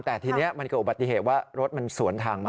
แต่ทีนี้มันเกิดอุบัติเหตุว่ารถมันสวนทางมา